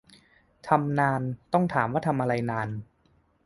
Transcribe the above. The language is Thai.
ทำนาน ต้องถามว่าทำอะไรนาน